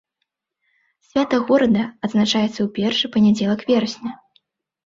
Свята горада адзначаецца ў першы панядзелак верасня.